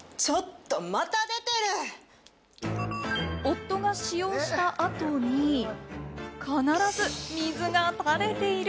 夫が使用した後に必ず水が垂れている。